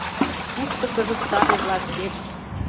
Кушто кызыт саде властет?